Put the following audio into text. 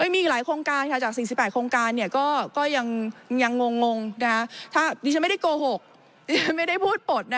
มีหลายโครงการจาก๔๘โครงการเนี่ยก็ยังงงดิฉันไม่ได้โกหกไม่ได้พูดบท